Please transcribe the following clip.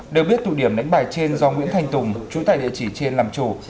đều biết tụ điểm đánh bài trên do nguyễn thành tùng chủ tài địa chỉ trên làm chủ